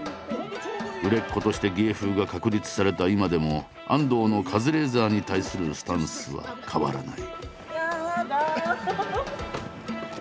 売れっ子として芸風が確立された今でも安藤のカズレーザーに対するスタンスは変わらない。